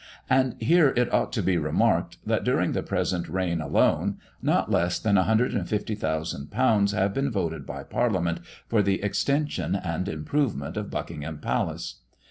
And here it ought to be remarked, that, during the present reign alone not less than £150,000 have been voted by parliament for the extension and improvement of Buckingham Palace.